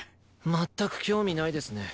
全く興味ないですね。